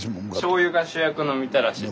しょうゆが主役のみたらしです。